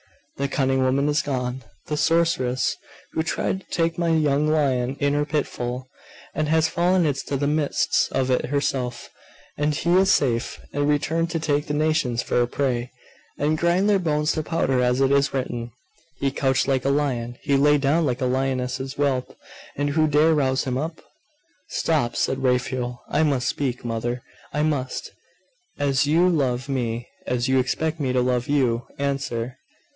The cunning woman is gone the sorceress who tried to take my young lion in her pitfall, and has fallen into the midst of it herself; and he is safe, and returned to take the nations for a prey, and grind their bones to powder, as it is written, "He couched like a lion, he lay down like a lioness's whelp, and who dare rouse him up?"' 'Stop!' said Raphael, 'I must speak! Mother! I must! As you love me, as you expect me to love you, answer!